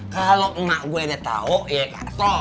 kalau emak gue udah tau ya kaso